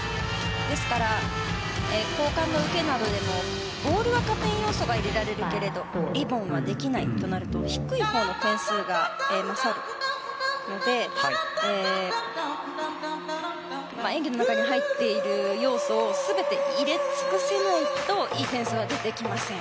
ですから、交換の受けなどでもボールは加点要素が入れられるけれどリボンはできないとなると低いほうの点数が勝るので演技の中に入っている要素を全て入れ尽くせないといい点数は出てきません。